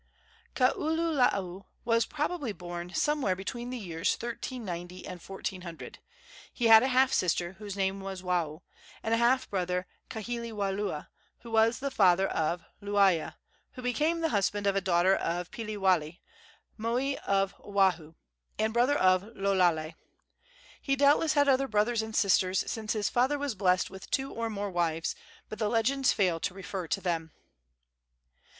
Kaululaau was probably born somewhere between the years 1390 and 1400. He had a half sister, whose name was Wao, and a half brother, Kaihiwalua, who was the father of Luaia, who became the husband of a daughter of Piliwale, moi of Oahu, and brother of Lo Lale. He doubtless had other brothers and sisters, since his father was blessed with two or more wives, but the legends fail to refer to them.